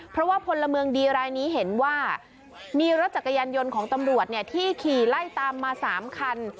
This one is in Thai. เพราะว่าพลเมืองดีรายนี้เห็นว่ามีรถจักรยานยนต์ของตำรวจที่ขี่ไล่ตามมา๓คัน